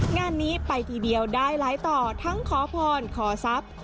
งานนี้ไปทีเดียวได้หลายต่อทั้งขอพรขอทรัพย์